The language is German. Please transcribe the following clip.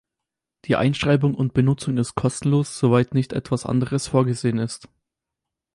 Die Einschreibung und Benutzung ist kostenlos soweit nicht etwas anderes vorgesehen ist.